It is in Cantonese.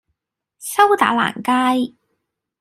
修打蘭街